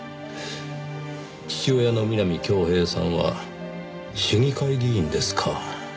父親の南郷平さんは市議会議員ですか。